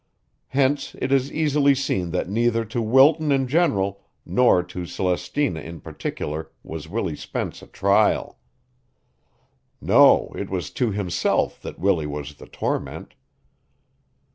Hence it is easily seen that neither to Wilton in general nor to Celestina in particular was Willie Spence a trial. No, it was to himself that Willie was the torment.